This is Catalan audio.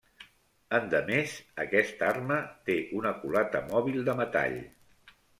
Endemés, aquesta arma, té una culata mòbil de metall.